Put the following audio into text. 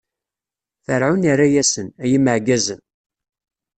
Ferɛun irra-asen: Ay imeɛgazen!